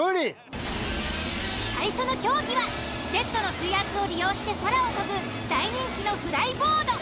［最初の競技はジェットの水圧を利用して空を飛ぶ大人気のフライボード］